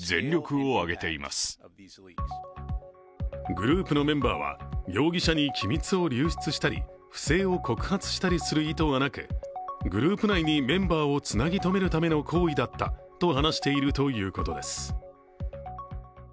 グループのメンバーは容疑者に機密を流出したり、不正を告発したりする意図はなくグループ内にメンバーをつなぎ止めるための行為だったと話しているということです。